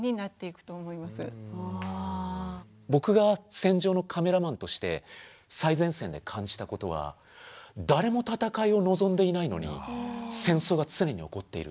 僕が戦場のカメラマンとして最前線で感じたことは誰も戦いを望んでいないのに戦争が常に起こっている。